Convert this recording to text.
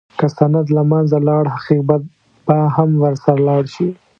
که سند له منځه لاړ، حقیقت به هم ورسره لاړ شي.